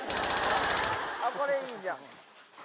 これいいじゃん。